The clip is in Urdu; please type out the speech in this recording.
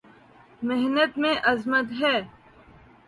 محنت میں عظمت ہے